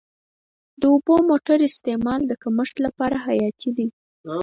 د اوبو موثر استعمال د کښت لپاره حیاتي دی.